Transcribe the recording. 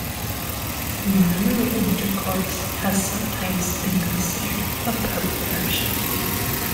Mammary intercourse has sometimes been considered a perversion.